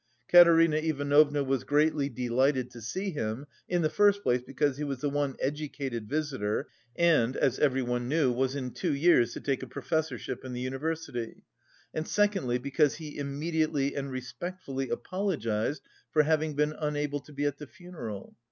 Katerina Ivanovna was greatly delighted to see him, in the first place, because he was the one "educated visitor, and, as everyone knew, was in two years to take a professorship in the university," and secondly because he immediately and respectfully apologised for having been unable to be at the funeral.